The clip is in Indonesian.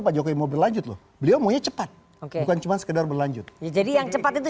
pak jokowi mau berlanjut loh beliau maunya cepat oke bukan cuma sekedar berlanjut ya jadi yang cepat itu